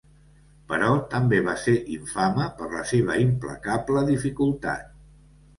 Però també va ser infame per la seva implacable dificultat.